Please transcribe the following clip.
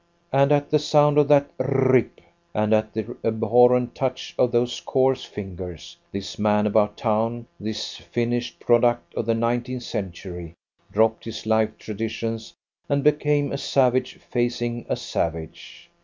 And at the sound of that r r rip, and at the abhorrent touch of those coarse fingers, this man about town, this finished product of the nineteenth century, dropped his life traditions and became a savage facing a savage.